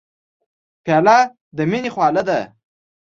پیاله د مینې خواله ده.